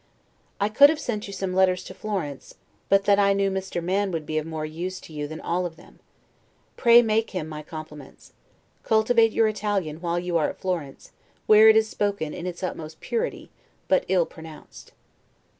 I could have sent you some letters to Florence, but that I knew Mr. Mann would be of more use to you than all of them. Pray make him my compliments. Cultivate your Italian, while you are at Florence, where it is spoken in its utmost purity, but ill pronounced.